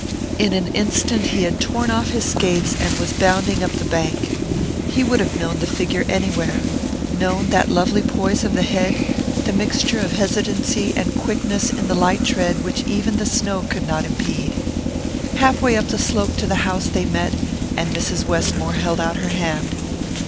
In an instant he had torn off his skates and was bounding up the bank. He would have known the figure anywhere known that lovely poise of the head, the mixture of hesitancy and quickness in the light tread which even the snow could not impede. Half way up the slope to the house they met, and Mrs. Westmore held out her hand.